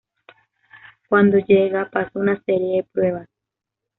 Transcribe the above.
Cuando llega pasa una serie de pruebas.